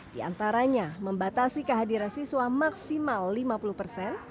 di antaranya membatasi kehadiran siswa maksimal lima puluh persen